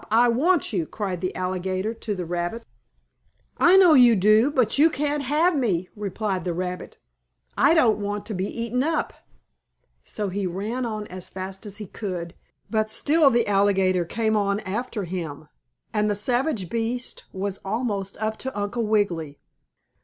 I want you!" cried the alligator to the rabbit. "I know you do, but you can't have me!" replied the rabbit. "I don't want to be eaten up!" So he ran on as fast as he could, but still the alligator came on after him, and the savage beast was almost up to Uncle Wiggily.